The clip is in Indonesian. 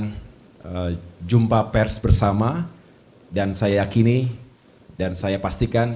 kami jumpa pers bersama dan saya yakini dan saya pastikan